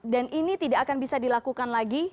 dan ini tidak akan bisa dilakukan lagi